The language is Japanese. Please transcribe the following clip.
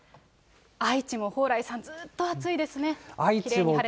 愛知も蓬莱さん、ずっと暑いですね。